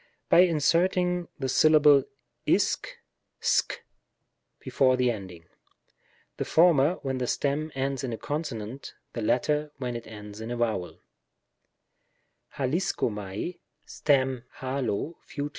By inserting the syllable laxy a^^ before the ending ; the former when the stem ends in a consonant, the latter when it ends in a vowel : akicxofiUL^ {aXo)^ Fut.